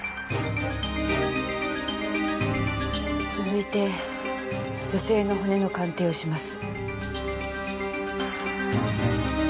続いて女性の骨の鑑定をします。